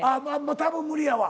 たぶん無理やわ。